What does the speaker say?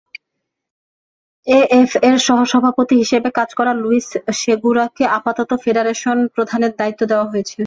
এএফএর সহসভাপতি হিসেবে কাজ করা লুইস সেগুরাকে আপাতত ফেডারেশন-প্রধানের দায়িত্ব দেওয়া হয়েছে।